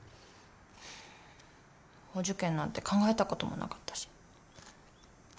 お受験なんて考えたこともなかったし。